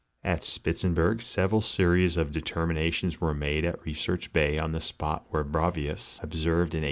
At Spitzbergen several series of determinations were made at Research bay on the spot where Bravais observed in 1839.